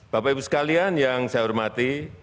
bapak ibu sekalian yang saya hormati